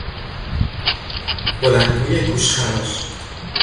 بلندگوی گوشخراش